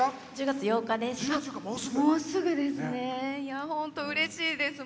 １０月８日です。